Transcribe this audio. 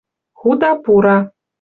Худа пура